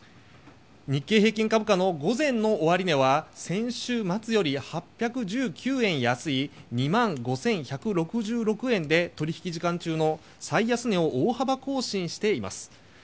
日経平均株価の午前の終値は先週末より８１９円安い２万５１６６円で取引時間中の最安値を大幅更新しています。